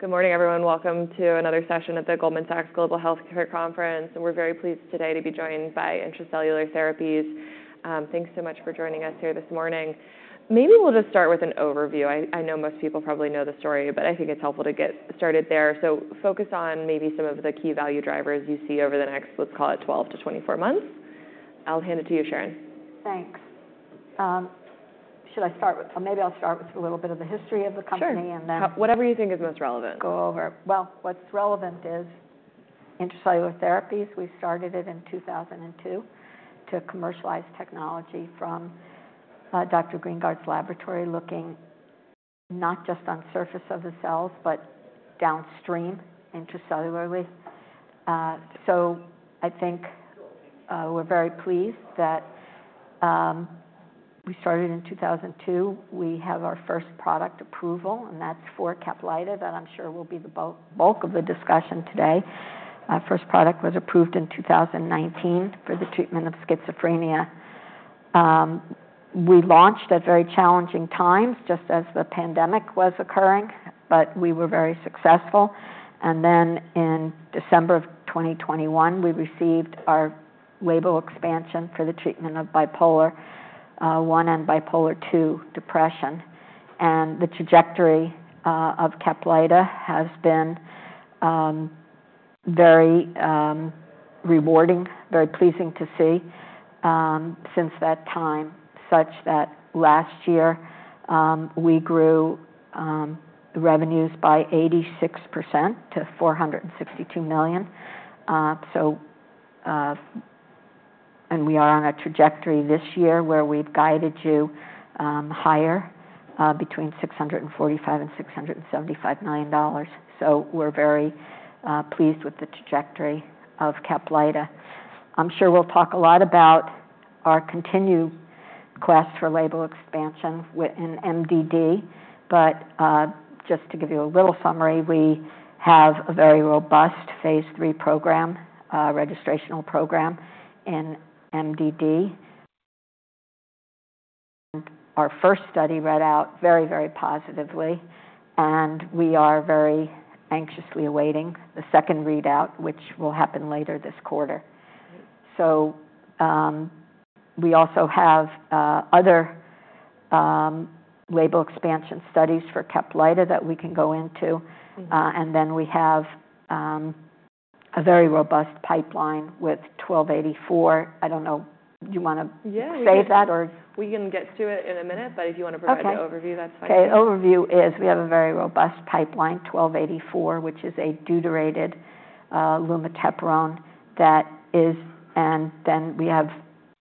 Good morning, everyone. Welcome to another session at the Goldman Sachs Global Healthcare Conference. We're very pleased today to be joined by Intra-Cellular Therapies. Thanks so much for joining us here this morning. Maybe we'll just start with an overview. I know most people probably know the story, but I think it's helpful to get started there. So focus on maybe some of the key value drivers you see over the next, let's call it, 12-24 months. I'll hand it to you, Sharon. Thanks. Should I start with, or maybe I'll start with a little bit of the history of the company and then. Sure. Whatever you think is most relevant. Well, what's relevant is Intra-Cellular Therapies. We started it in 2002 to commercialize technology from Dr. Greengard's laboratory, looking not just on the surface of the cells, but downstream intracellularly. I think we're very pleased that we started in 2002. We have our first product approval, and that's for CAPLYTA, that I'm sure will be the bulk of the discussion today. Our first product was approved in 2019 for the treatment of schizophrenia. We launched at very challenging times, just as the pandemic was occurring, but we were very successful. Then in December of 2021, we received our label expansion for the treatment of bipolar I and bipolar II depression. The trajectory of CAPLYTA has been very rewarding, very pleasing to see since that time, such that last year we grew revenues by 86% to $462 million. We are on a trajectory this year where we've guided you higher between $645 -675 million. So we're very pleased with the trajectory of CAPLYTA. I'm sure we'll talk a lot about our continued quest for label expansion in MDD. But just to give you a little summary, we have a very robust phase three program, registrational program in MDD. Our first study read out very, very positively, and we are very anxiously awaiting the second readout, which will happen later this quarter. So we also have other label expansion studies for CAPLYTA that we can go into. And then we have a very robust pipeline with 1284. I don't know, do you want to say that or. We can get to it in a minute, but if you want to provide an overview, that's fine. Okay. Overview is we have a very robust pipeline, 1284, which is a deuterated lumateperone that is. And then we have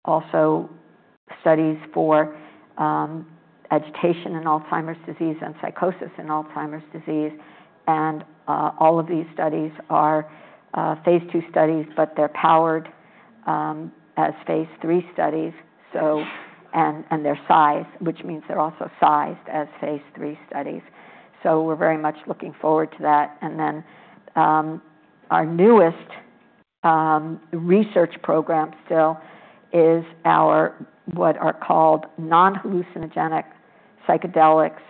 also studies for agitation in Alzheimer's disease and psychosis in Alzheimer's disease. And all of these studies are phase 2 studies, but they're powered as phase 3 studies. So, and their size, which means they're also sized as phase 3 studies. So we're very much looking forward to that. And then our newest research program still is our what are called non-hallucinogenic psychedelics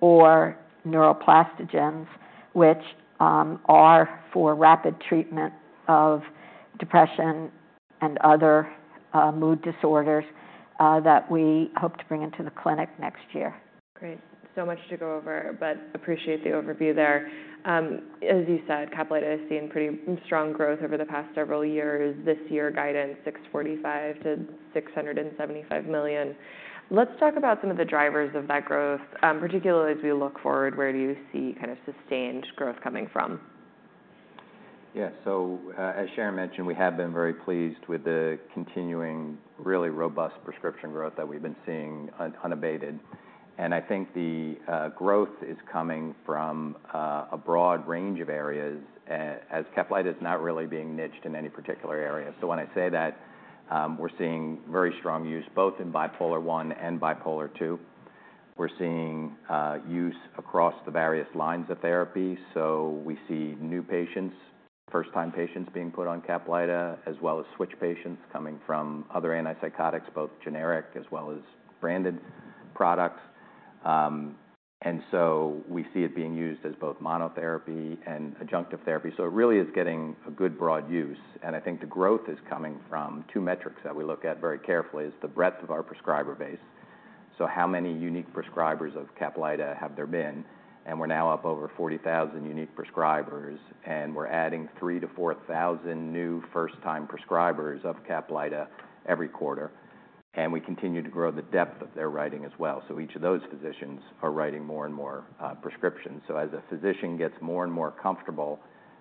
or neuroplastogens, which are for rapid treatment of depression and other mood disorders that we hope to bring into the clinic next year. Great. So much to go over, but appreciate the overview there. As you said, CAPLYTA has seen pretty strong growth over the past several years. This year, guidance $645 -675 million. Let's talk about some of the drivers of that growth, particularly as we look forward, where do you see kind of sustained growth coming from? Yeah. So as Sharon mentioned, we have been very pleased with the continuing, really robust prescription growth that we've been seeing unabated. And I think the growth is coming from a broad range of areas as CAPLYTA is not really being niched in any particular area. So when I say that, we're seeing very strong use both in bipolar I and bipolar II. We're seeing use across the various lines of therapy. So we see new patients, first-time patients being put on CAPLYTA, as well as switch patients coming from other antipsychotics, both generic as well as branded products. And so we see it being used as both monotherapy and adjunctive therapy. So it really is getting a good broad use. And I think the growth is coming from two metrics that we look at very carefully, is the breadth of our prescriber base. So how many unique prescribers of CAPLYTA have there been? We're now up over 40,000 unique prescribers. We're adding 3,000-4,000 new first-time prescribers of CAPLYTA every quarter. We continue to grow the depth of their writing as well. Each of those physicians are writing more and more prescriptions. As a physician gets more and more comfortable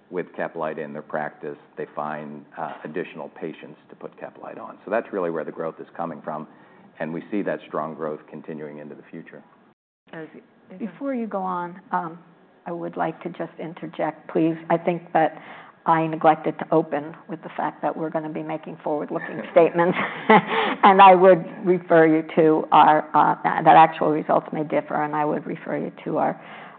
with CAPLYTA in their practice, they find additional patients to put CAPLYTA on. That's really where the growth is coming from. We see that strong growth continuing into the future. Before you go on, I would like to just interject, please. I think that I neglected to open with the fact that we're going to be making forward-looking statements. I would refer you to our, that actual results may differ, and I would refer you to our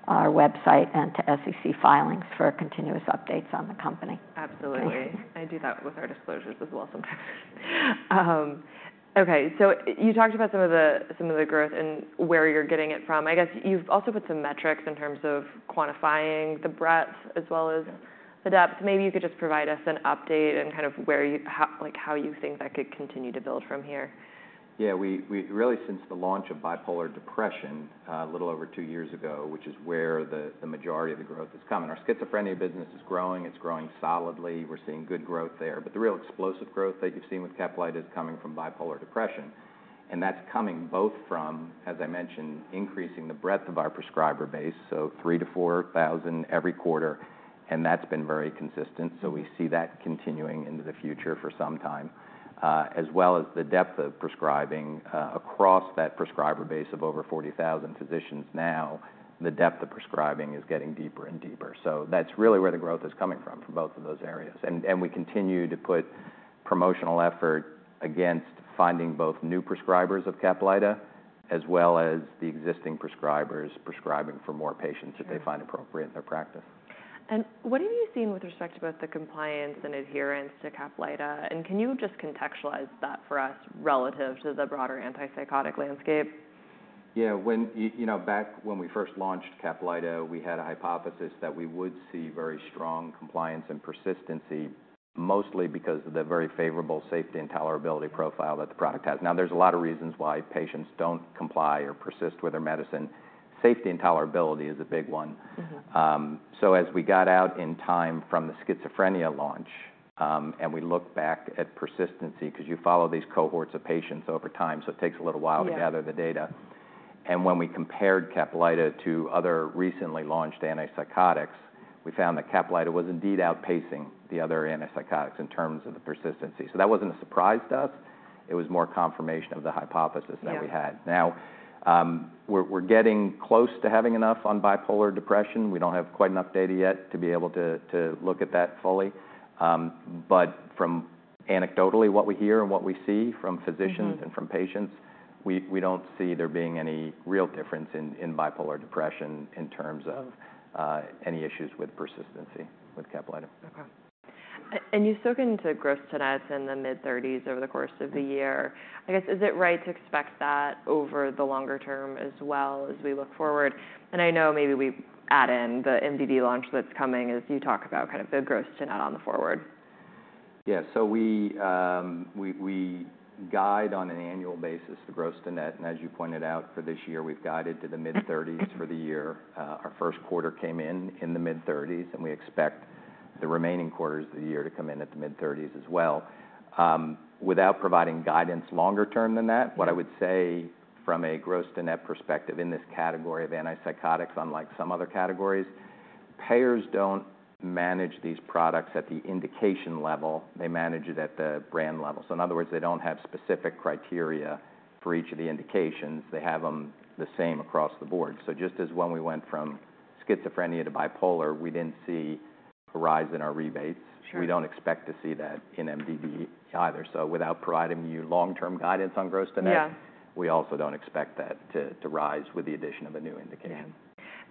website and to SEC filings for continuous updates on the company. Absolutely. I do that with our disclosures as well sometimes. Okay. So you talked about some of the growth and where you're getting it from. I guess you've also put some metrics in terms of quantifying the breadth as well as the depth. Maybe you could just provide us an update and kind of how you think that could continue to build from here. Yeah. We really, since the launch of bipolar depression a little over two years ago, which is where the majority of the growth is coming. Our schizophrenia business is growing. It's growing solidly. We're seeing good growth there. But the real explosive growth that you've seen with CAPLYTA is coming from bipolar depression. And that's coming both from, as I mentioned, increasing the breadth of our prescriber base, so 3,000-4,000 every quarter. And that's been very consistent. So we see that continuing into the future for some time, as well as the depth of prescribing across that prescriber base of over 40,000 physicians now, the depth of prescribing is getting deeper and deeper. So that's really where the growth is coming from, from both of those areas. We continue to put promotional effort against finding both new prescribers of CAPLYTA as well as the existing prescribers prescribing for more patients that they find appropriate in their practice. What have you seen with respect to both the compliance and adherence to CAPLYTA? Can you just contextualize that for us relative to the broader antipsychotic landscape? Yeah. You know, back when we first launched CAPLYTA, we had a hypothesis that we would see very strong compliance and persistency, mostly because of the very favorable safety and tolerability profile that the product has. Now, there's a lot of reasons why patients don't comply or persist with their medicine. Safety and tolerability is a big one. So as we got out in time from the schizophrenia launch and we look back at persistency, because you follow these cohorts of patients over time, so it takes a little while to gather the data. And when we compared CAPLYTA to other recently launched antipsychotics, we found that CAPLYTA was indeed outpacing the other antipsychotics in terms of the persistency. So that wasn't a surprise to us. It was more confirmation of the hypothesis that we had. Now, we're getting close to having enough on bipolar depression. We don't have quite enough data yet to be able to look at that fully. But from anecdotally, what we hear and what we see from physicians and from patients, we don't see there being any real difference in bipolar depression in terms of any issues with persistency with CAPLYTA. Okay. You've spoken to gross-to-net in the mid-30s over the course of the year. I guess, is it right to expect that over the longer term as well as we look forward? I know maybe we add in the MDD launch that's coming as you talk about kind of the growth tonight on the forward. Yeah. So we guide on an annual basis the net growth. And as you pointed out for this year, we've guided to the mid-30s% for the year. Our Q1 came in in the mid-30s%, and we expect the remaining quarters of the year to come in at the mid-30s% as well. Without providing guidance longer term than that, what I would say from a net growth perspective in this category of antipsychotics, unlike some other categories, payers don't manage these products at the indication level. They manage it at the brand level. So in other words, they don't have specific criteria for each of the indications. They have them the same across the board. So just as when we went from schizophrenia to bipolar, we didn't see a rise in our rebates. We don't expect to see that in MDD either. Without providing you long-term guidance on growth tonight, we also don't expect that to rise with the addition of a new indication.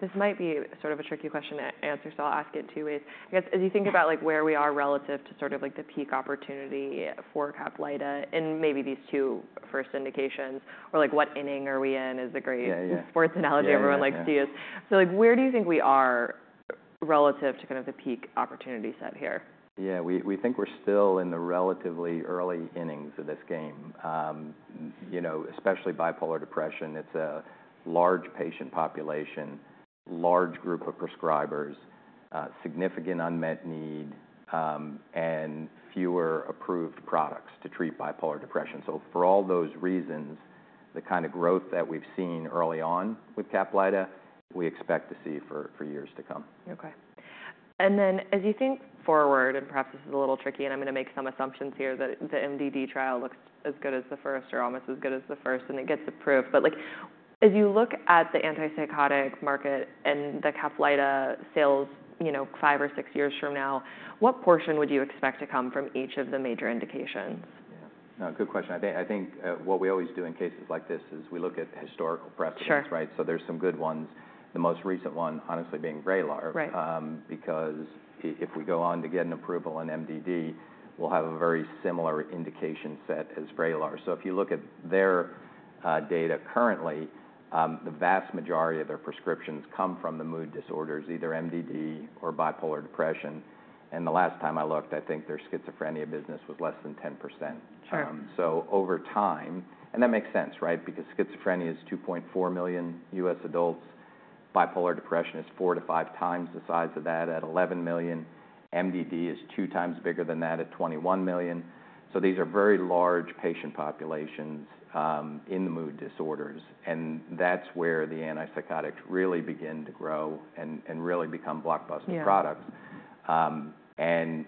This might be sort of a tricky question to answer, so I'll ask it two ways. I guess, as you think about where we are relative to sort of like the peak opportunity for CAPLYTA in maybe these two first indications, or like what inning are we in is a great sports analogy everyone likes to use. So where do you think we are relative to kind of the peak opportunity set here? Yeah. We think we're still in the relatively early innings of this game, you know, especially bipolar depression. It's a large patient population, large group of prescribers, significant unmet need, and fewer approved products to treat bipolar depression. So for all those reasons, the kind of growth that we've seen early on with CAPLYTA, we expect to see for years to come. Okay. And then as you think forward, and perhaps this is a little tricky, and I'm going to make some assumptions here that the MDD trial looks as good as the first or almost as good as the first and it gets approved. But as you look at the antipsychotic market and the CAPLYTA sales, you know, five or six years from now, what portion would you expect to come from each of the major indications? Yeah. No, good question. I think what we always do in cases like this is we look at historical preference, right? So there's some good ones. The most recent one, honestly, being Vraylar, because if we go on to get an approval on MDD, we'll have a very similar indication set as Vraylar. So if you look at their data currently, the vast majority of their prescriptions come from the mood disorders, either MDD or bipolar depression. And the last time I looked, I think their schizophrenia business was less than 10%. So over time, and that makes sense, right? Because schizophrenia is 2.4 million U.S. adults. Bipolar depression is four to five times the size of that at 11 million. MDD is 2x bigger than that at 21 million. So these are very large patient populations in the mood disorders. And that's where the antipsychotics really begin to grow and really become blockbuster products. And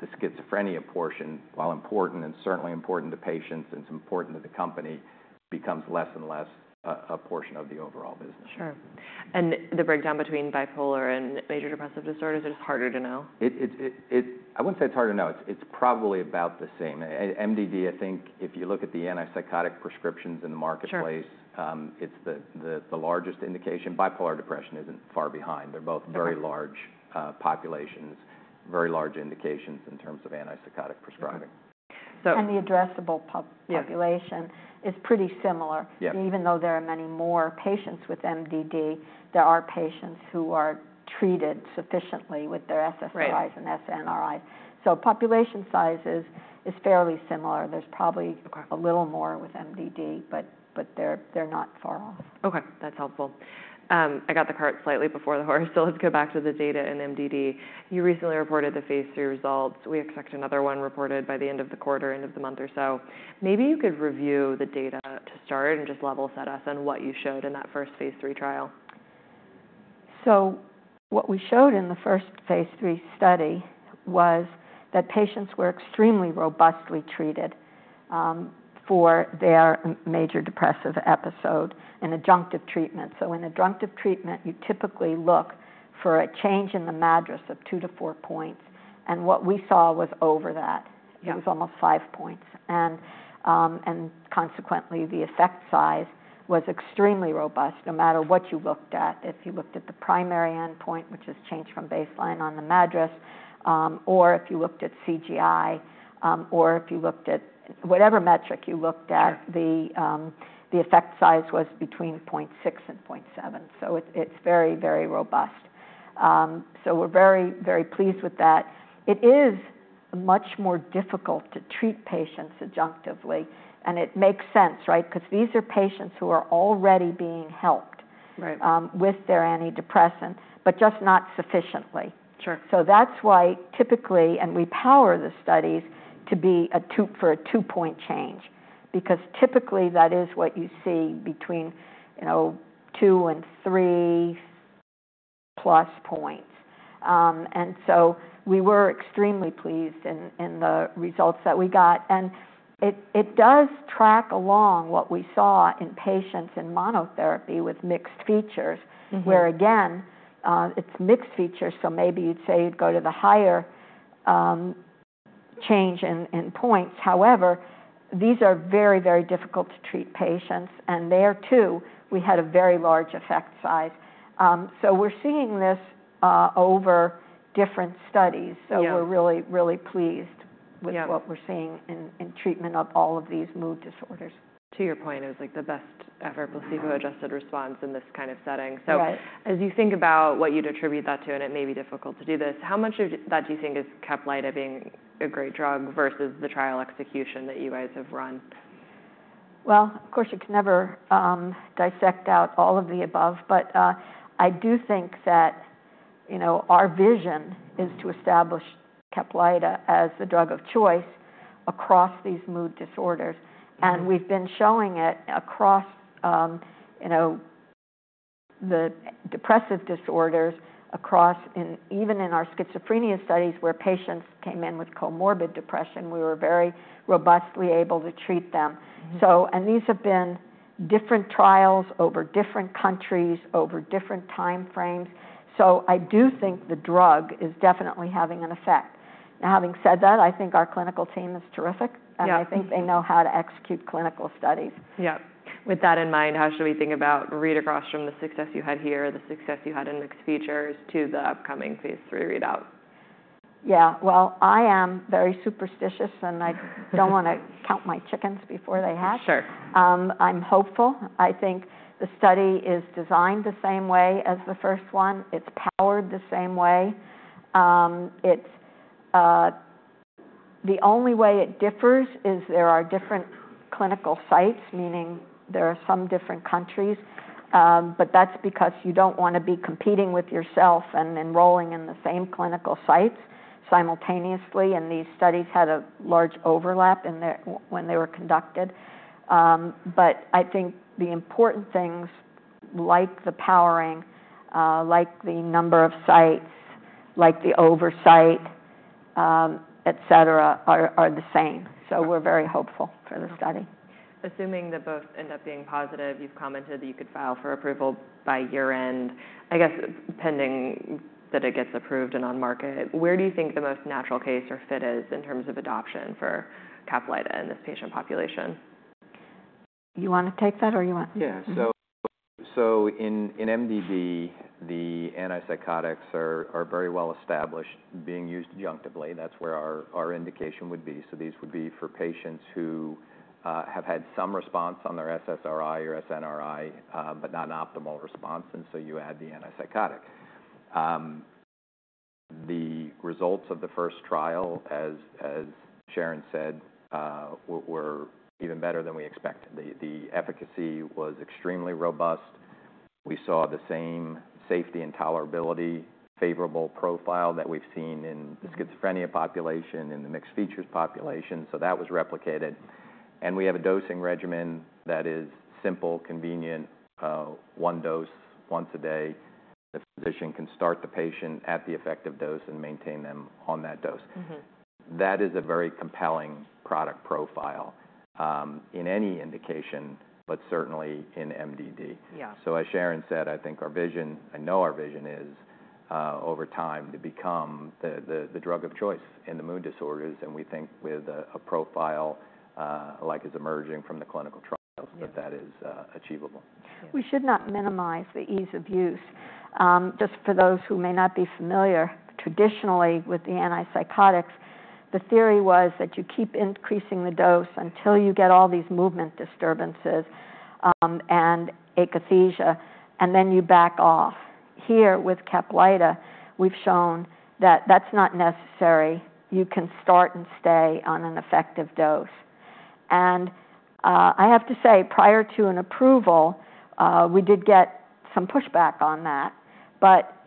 the schizophrenia portion, while important and certainly important to patients and important to the company, becomes less and less a portion of the overall business. Sure. The breakdown between bipolar and major depressive disorders, it's harder to know? I wouldn't say it's hard to know. It's probably about the same. MDD, I think if you look at the antipsychotic prescriptions in the marketplace, it's the largest indication. Bipolar depression isn't far behind. They're both very large populations, very large indications in terms of antipsychotic prescribing. The addressable population is pretty similar. Even though there are many more patients with MDD, there are patients who are treated sufficiently with their SSRIs and SNRIs. Population size is fairly similar. There's probably a little more with MDD, but they're not far off. Okay. That's helpful. I got the cart slightly before the horse. So let's go back to the data in MDD. You recently reported the phase 3 results. We expect another one reported by the end of the quarter, end of the month or so. Maybe you could review the data to start and just level set us on what you showed in that first phase 3 trial. So what we showed in the first phase 3 study was that patients were extremely robustly treated for their major depressive episode and adjunctive treatment. In adjunctive treatment, you typically look for a change in the MADRS of two to four points. And what we saw was over that. It was almost five points. And consequently, the effect size was extremely robust, no matter what you looked at. If you looked at the primary endpoint, which is change from baseline on the MADRS, or if you looked at CGI, or if you looked at whatever metric you looked at, the effect size was between 0.6-0.7. So it's very, very robust. So we're very, very pleased with that. It is much more difficult to treat patients adjunctively. And it makes sense, right? Because these are patients who are already being helped with their antidepressant, but just not sufficiently. So that's why typically, and we power the studies to be for a two-point change, because typically that is what you see between, you know, two and 3+ points. And so we were extremely pleased in the results that we got. And it does track along what we saw in patients in monotherapy with mixed features, where again, it's mixed features. So maybe you'd say you'd go to the higher change in points. However, these are very, very difficult to treat patients. And there too, we had a very large effect size. So we're seeing this over different studies. So we're really, really pleased with what we're seeing in treatment of all of these mood disorders. To your point, it was like the best ever placebo-adjusted response in this kind of setting. So as you think about what you'd attribute that to, and it may be difficult to do this, how much of that do you think is CAPLYTA being a great drug versus the trial execution that you guys have run? Well, of course, you can never dissect out all of the above. But I do think that, you know, our vision is to establish CAPLYTA as the drug of choice across these mood disorders. And we've been showing it across, you know, the depressive disorders, across even in our schizophrenia studies where patients came in with comorbid depression, we were very robustly able to treat them. So, and these have been different trials over different countries, over different time frames. So I do think the drug is definitely having an effect. Now, having said that, I think our clinical team is terrific. And I think they know how to execute clinical studies. Yeah. With that in mind, how should we think about read across from the success you had here, the success you had in mixed features to the upcoming phase 3 readout? Yeah. Well, I am very superstitious, and I don't want to count my chickens before they hatch. I'm hopeful. I think the study is designed the same way as the first one. It's powered the same way. The only way it differs is there are different clinical sites, meaning there are some different countries. But that's because you don't want to be competing with yourself and enrolling in the same clinical sites simultaneously. And these studies had a large overlap when they were conducted. But I think the important things, like the powering, like the number of sites, like the oversight, et cetera, are the same. So we're very hopeful for the study. Assuming that both end up being positive, you've commented that you could file for approval by year-end, I guess pending that it gets approved and on market, where do you think the most natural case or fit is in terms of adoption for CAPLYTA in this patient population? You want to take that or you want? Yeah. So in MDD, the antipsychotics are very well established being used adjunctively. That's where our indication would be. So these would be for patients who have had some response on their SSRI or SNRI, but not an optimal response. And so you add the antipsychotic. The results of the first trial, as Sharon said, were even better than we expected. The efficacy was extremely robust. We saw the same safety and tolerability favorable profile that we've seen in the schizophrenia population, in the mixed features population. So that was replicated. And we have a dosing regimen that is simple, convenient, one dose once a day. The physician can start the patient at the effective dose and maintain them on that dose. That is a very compelling product profile in any indication, but certainly in MDD. So as Sharon said, I think our vision, I know our vision is over time to become the drug of choice in the mood disorders. We think with a profile like is emerging from the clinical trials that that is achievable. We should not minimize the ease of use. Just for those who may not be familiar traditionally with the antipsychotics, the theory was that you keep increasing the dose until you get all these movement disturbances and akathisia, and then you back off. Here with CAPLYTA, we've shown that that's not necessary. You can start and stay on an effective dose. And I have to say, prior to an approval, we did get some pushback on that. But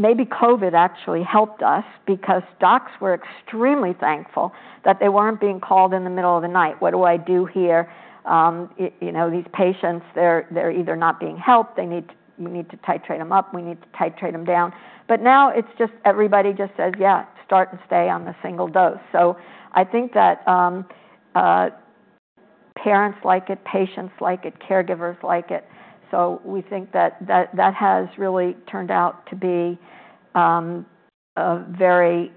maybe COVID actually helped us because docs were extremely thankful that they weren't being called in the middle of the night. What do I do here? You know, these patients, they're either not being helped. We need to titrate them up. We need to titrate them down. But now it's just everybody just says, yeah, start and stay on the single dose. So I think that parents like it, patients like it, caregivers like it. So we think that that has really turned out to be very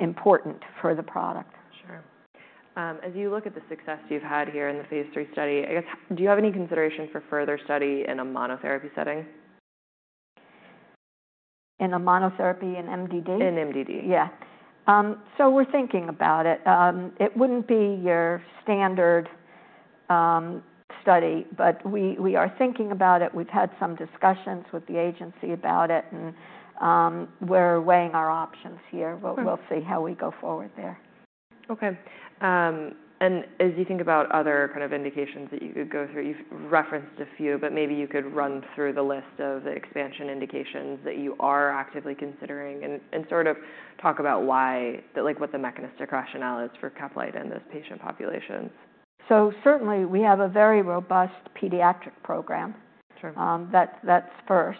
important for the product. Sure. As you look at the success you've had here in the phase 3 study, I guess, do you have any consideration for further study in a monotherapy setting? In a monotherapy in MDD? In MDD. Yeah. So we're thinking about it. It wouldn't be your standard study, but we are thinking about it. We've had some discussions with the agency about it, and we're weighing our options here. We'll see how we go forward there. Okay. And as you think about other kind of indications that you could go through, you've referenced a few, but maybe you could run through the list of the expansion indications that you are actively considering and sort of talk about why, like what the mechanistic rationale is for CAPLYTA in those patient populations. So certainly we have a very robust pediatric program. That's first.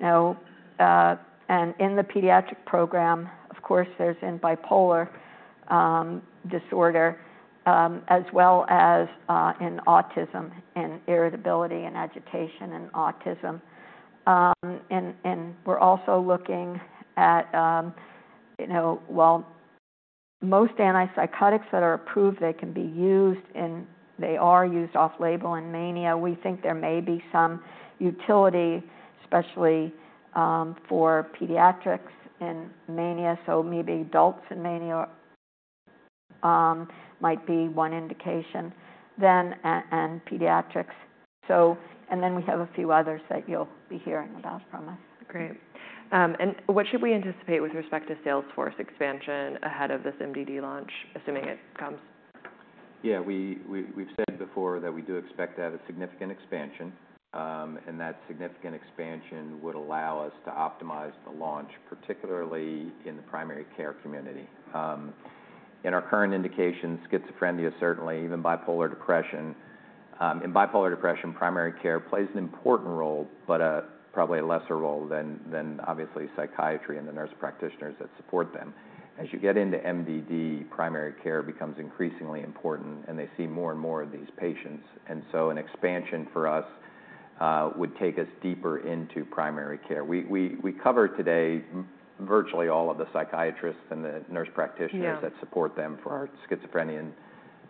In the pediatric program, of course, there's in bipolar disorder, as well as in autism and irritability and agitation and autism. We're also looking at, you know, well, most antipsychotics that are approved, they can be used and they are used off-label in mania. We think there may be some utility, especially for pediatrics in mania. Maybe adults in mania might be one indication then and pediatrics. Then we have a few others that you'll be hearing about from us. Great. What should we anticipate with respect to sales force expansion ahead of this MDD launch, assuming it comes? Yeah, we've said before that we do expect to have a significant expansion. That significant expansion would allow us to optimize the launch, particularly in the primary care community. In our current indications, schizophrenia certainly, even bipolar depression. In bipolar depression, primary care plays an important role, but probably a lesser role than, obviously, psychiatry and the nurse practitioners that support them. As you get into MDD, primary care becomes increasingly important and they see more and more of these patients. So an expansion for us would take us deeper into primary care. We cover today virtually all of the psychiatrists and the nurse practitioners that support them for schizophrenia and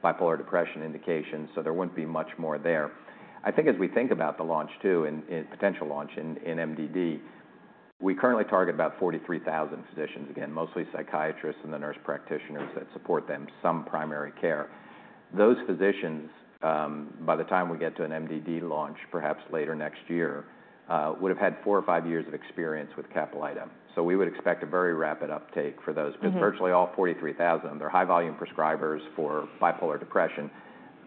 bipolar depression indications. There wouldn't be much more there. I think as we think about the launch too, and potential launch in MDD, we currently target about 43,000 physicians, again, mostly psychiatrists and the nurse practitioners that support them, some primary care. Those physicians, by the time we get to an MDD launch, perhaps later next year, would have had four or five years of experience with CAPLYTA. So we would expect a very rapid uptake for those, because virtually all 43,000, they're high-volume prescribers for bipolar depression.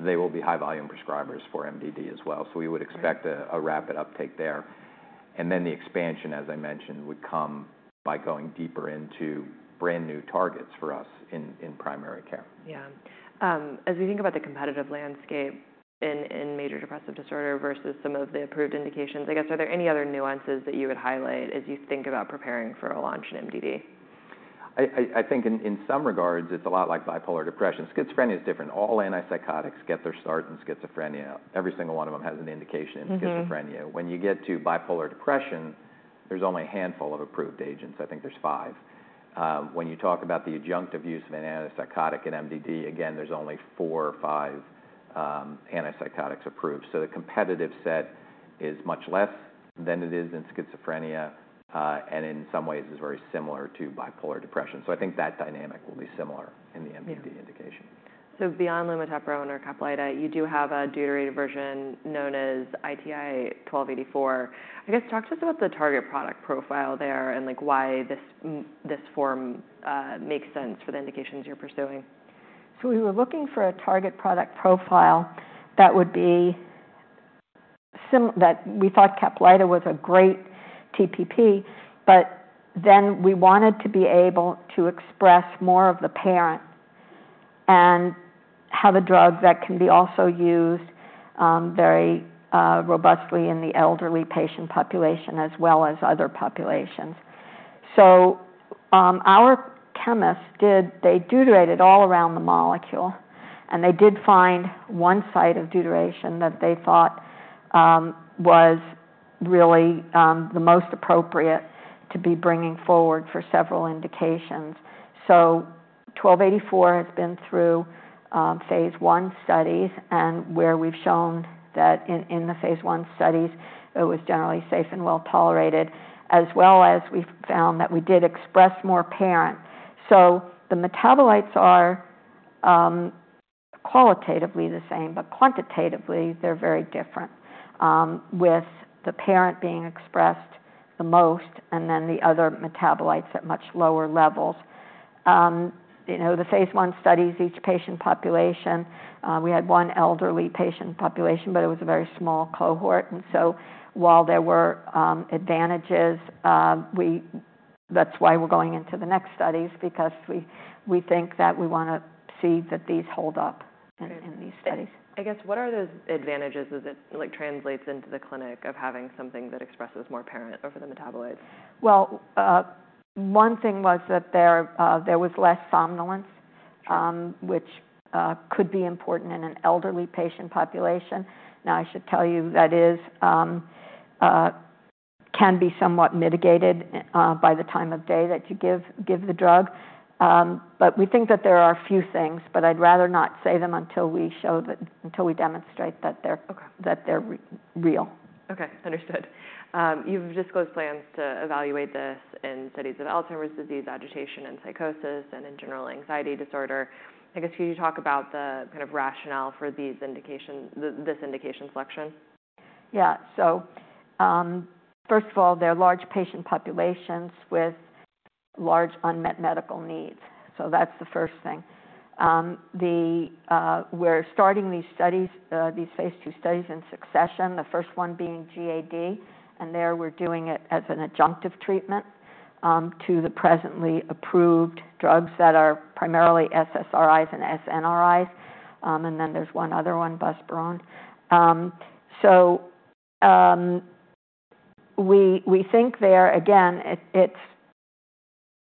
They will be high-volume prescribers for MDD as well. So we would expect a rapid uptake there. And then the expansion, as I mentioned, would come by going deeper into brand new targets for us in primary care. Yeah. As we think about the competitive landscape in major depressive disorder versus some of the approved indications, I guess, are there any other nuances that you would highlight as you think about preparing for a launch in MDD? I think in some regards, it's a lot like bipolar depression. Schizophrenia is different. All antipsychotics get their start in schizophrenia. Every single one of them has an indication in schizophrenia. When you get to bipolar depression, there's only a handful of approved agents. I think there's five. When you talk about the adjunctive use of an antipsychotic in MDD, again, there's only four or five antipsychotics approved. So the competitive set is much less than it is in schizophrenia, and in some ways is very similar to bipolar depression. So I think that dynamic will be similar in the MDD indication. So beyond lumateperone and/or CAPLYTA, you do have a deuterated version known as ITI-1284. I guess, talk to us about the target product profile there and why this form makes sense for the indications you're pursuing. So we were looking for a target product profile that would be that we thought CAPLYTA was a great TPP, but then we wanted to be able to express more of the parent and have a drug that can be also used very robustly in the elderly patient population as well as other populations. So our chemists did, they deuterated all around the molecule, and they did find one site of deuteration that they thought was really the most appropriate to be bringing forward for several indications. So 1284 has been through phase one studies and where we've shown that in the phase one studies, it was generally safe and well tolerated, as well as we found that we did express more parent. So the metabolites are qualitatively the same, but quantitatively they're very different, with the parent being expressed the most and then the other metabolites at much lower levels. You know, the phase 1 studies, each patient population, we had one elderly patient population, but it was a very small cohort. And so while there were advantages, that's why we're going into the next studies, because we think that we want to see that these hold up in these studies. I guess, what are those advantages as it translates into the clinic of having something that expresses more parent over the metabolites? Well, one thing was that there was less somnolence, which could be important in an elderly patient population. Now, I should tell you that can be somewhat mitigated by the time of day that you give the drug. But we think that there are a few things, but I'd rather not say them until we show that, until we demonstrate that they're real. Okay. Understood. You've disclosed plans to evaluate this in studies of Alzheimer's disease, agitation and psychosis, and in generalized anxiety disorder. I guess, could you talk about the kind of rationale for this indication selection? Yeah. So first of all, there are large patient populations with large unmet medical needs. So that's the first thing. We're starting these studies, these phase two studies in succession, the first one being GAD, and there we're doing it as an adjunctive treatment to the presently approved drugs that are primarily SSRIs and SNRIs. And then there's one other one, buspirone. So we think there, again, it's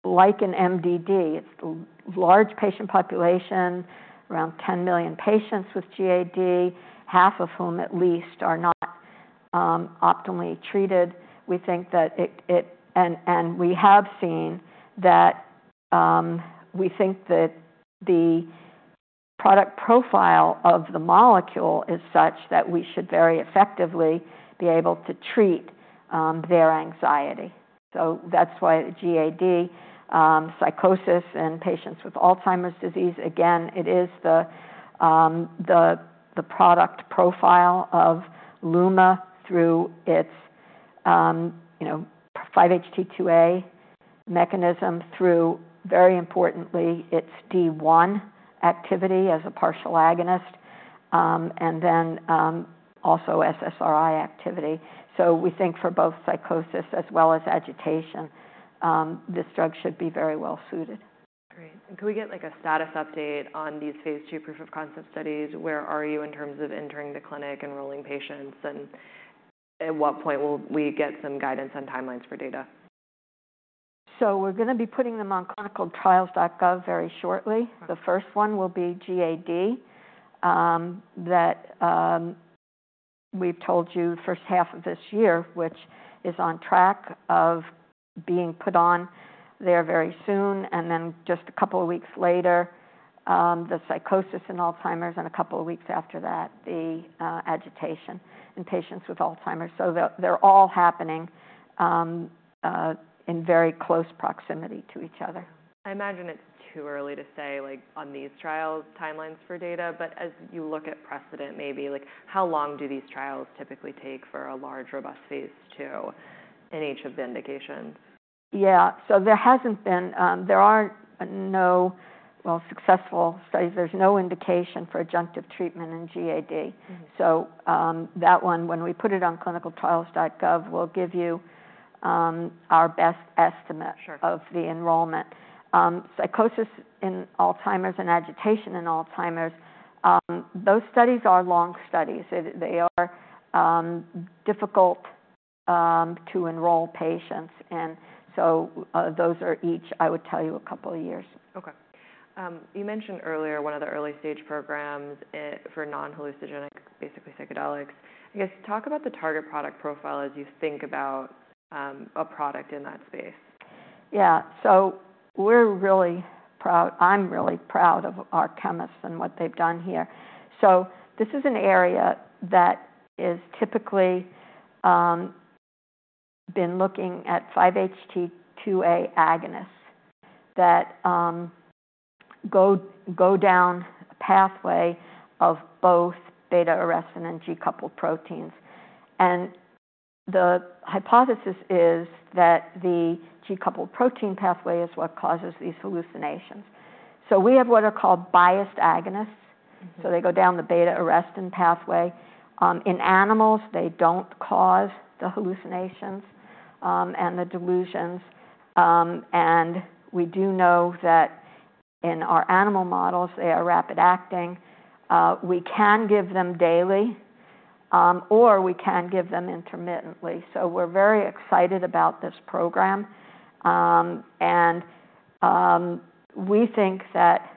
like an MDD. It's a large patient population, around 10 million patients with GAD, half of whom at least are not optimally treated. We think that it, and we have seen that we think that the product profile of the molecule is such that we should very effectively be able to treat their anxiety. So that's why the GAD, psychosis in patients with Alzheimer's disease, again, it is the product profile of Luma through its 5-HT2A mechanism, through very importantly, its D1 activity as a partial agonist, and then also SSRI activity. So we think for both psychosis as well as agitation, this drug should be very well suited. Great. And can we get like a status update on these phase 2 proof of concept studies? Where are you in terms of entering the clinic and enrolling patients? And at what point will we get some guidance on timelines for data? We're going to be putting them on clinicaltrials.gov very shortly. The first one will be GAD that we've told you the first half of this year, which is on track of being put on there very soon. Then just a couple of weeks later, the psychosis in Alzheimer's, and a couple of weeks after that, the agitation in patients with Alzheimer's. They're all happening in very close proximity to each other. I imagine it's too early to say like on these trials timelines for data, but as you look at precedent, maybe like how long do these trials typically take for a large robust phase 2 in each of the indications? Yeah. So there aren't no, well, successful studies, there's no indication for adjunctive treatment in GAD. So that one, when we put it on ClinicalTrials.gov, we'll give you our best estimate of the enrollment. Psychosis in Alzheimer's and agitation in Alzheimer's, those studies are long studies. They are difficult to enroll patients. And so those are each, I would tell you, a couple of years. Okay. You mentioned earlier one of the early stage programs for non-hallucinogenic, basically psychedelics. I guess, talk about the target product profile as you think about a product in that space. Yeah. So we're really proud, I'm really proud of our chemists and what they've done here. So this is an area that has typically been looking at 5-HT2A agonists that go down a pathway of both beta-arrestin and G-coupled proteins. And the hypothesis is that the G-coupled protein pathway is what causes these hallucinations. So we have what are called biased agonists. So they go down the beta-arrestin pathway. In animals, they don't cause the hallucinations and the delusions. And we do know that in our animal models, they are rapid acting. We can give them daily or we can give them intermittently. So we're very excited about this program. And we think that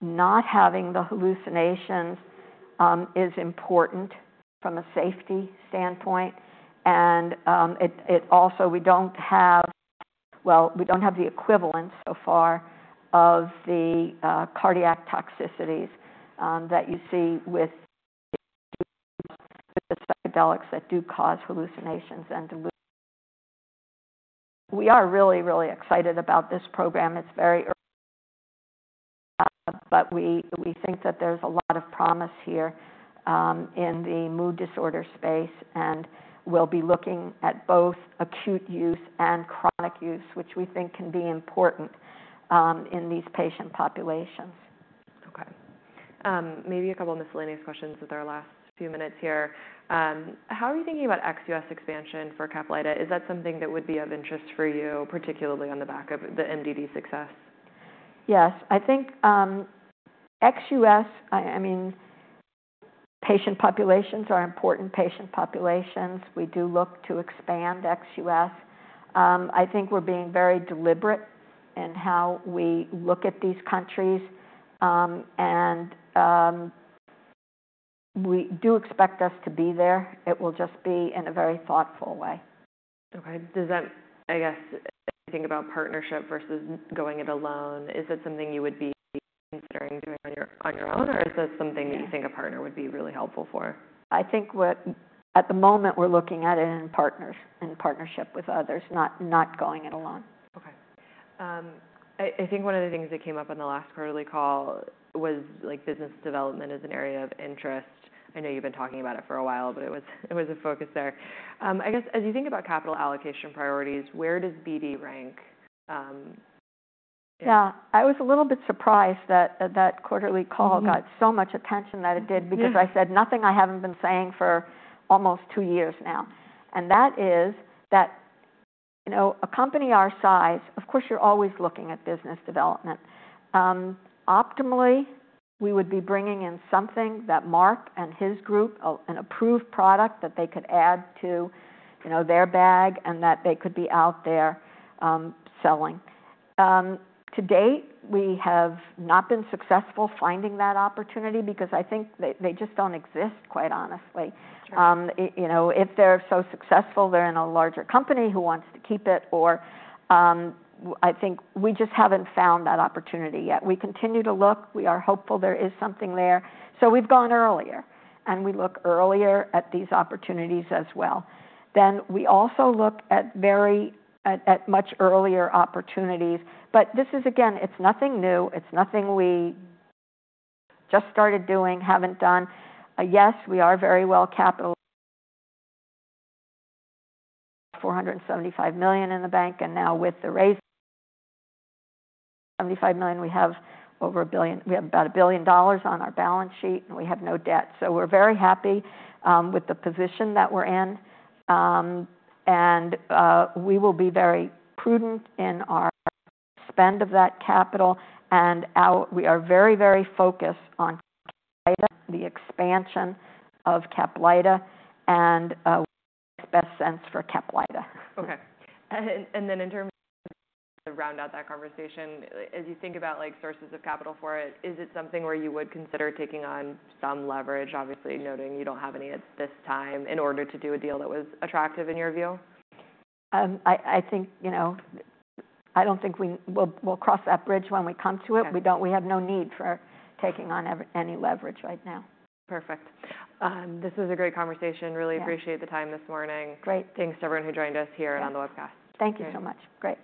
not having the hallucinations is important from a safety standpoint. And it also, well, we don't have the equivalent so far of the cardiac toxicities that you see with the psychedelics that do cause hallucinations and delusions. We are really, really excited about this program. It's very early, but we think that there's a lot of promise here in the mood disorder space. And we'll be looking at both acute use and chronic use, which we think can be important in these patient populations. Okay. Maybe a couple of miscellaneous questions with our last few minutes here. How are you thinking about ex-US expansion for CAPLYTA? Is that something that would be of interest for you, particularly on the back of the MDD success? Yes. I think ex-US, I mean, patient populations are important patient populations. We do look to expand ex-US. I think we're being very deliberate in how we look at these countries. And we do expect us to be there. It will just be in a very thoughtful way. Okay. Does that, I guess, think about partnership versus going it alone, is that something you would be considering doing on your own? Or is that something that you think a partner would be really helpful for? I think at the moment we're looking at it in partnership with others, not going it alone. Okay. I think one of the things that came up on the last quarterly call was like business development as an area of interest. I know you've been talking about it for a while, but it was a focus there. I guess, as you think about capital allocation priorities, where does BD rank? Yeah. I was a little bit surprised that that quarterly call got so much attention that it did, because I said nothing I haven't been saying for almost two years now. And that is that, you know, a company our size, of course you're always looking at business development. Optimally, we would be bringing in something that Mark and his group, an approved product that they could add to their bag and that they could be out there selling. To date, we have not been successful finding that opportunity, because I think they just don't exist, quite honestly. You know, if they're so successful, they're in a larger company who wants to keep it. Or I think we just haven't found that opportunity yet. We continue to look. We are hopeful there is something there. So we've gone earlier and we look earlier at these opportunities as well. Then we also look at very, at much earlier opportunities. But this is, again, it's nothing new. It's nothing we just started doing, haven't done. Yes, we are very well capitalized, $475 million in the bank. And now with the raise, $75 million, we have over $1 billion, we have about $1 billion on our balance sheet and we have no debt. So we're very happy with the position that we're in. And we will be very prudent in our spend of that capital. And we are very, very focused on CAPLYTA, the expansion of CAPLYTA, and what makes best sense for CAPLYTA. Okay. Then in terms of round out that conversation, as you think about like sources of capital for it, is it something where you would consider taking on some leverage, obviously noting you don't have any at this time in order to do a deal that was attractive in your view? I think, you know, I don't think we'll cross that bridge when we come to it. We don't, we have no need for taking on any leverage right now. Perfect. This was a great conversation. Really appreciate the time this morning. Great. Thanks to everyone who joined us here and on the webcast. Thank you so much. Great.